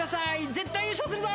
絶対優勝するぞ。